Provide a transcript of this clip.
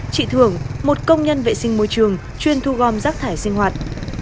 chị thưởng một công nhân vệ sinh môi trường chuyên thu gom rác thải sinh hoạt